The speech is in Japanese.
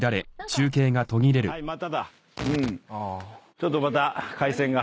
ちょっとまた回線が。